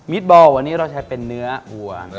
บอลวันนี้เราใช้เป็นเนื้อวัว